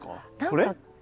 これ。